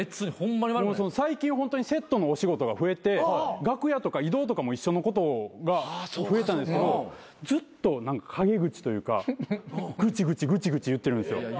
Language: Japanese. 最近ホントにセットのお仕事が増えて楽屋とか移動とかも一緒のことが増えたんですけどずっと陰口というかぐちぐちぐちぐち言ってるんですよ。